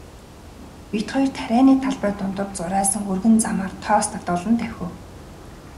Бид хоёр тарианы талбай дундуур зурайсан өргөн замаар тоос татуулан давхив.